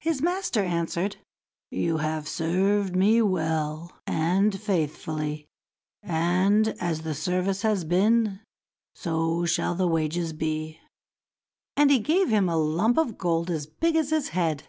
His master answered, "You have served me well and faithfully, and as the service has been, so shall the wages be." And he gave him a lump of gold as big as his head.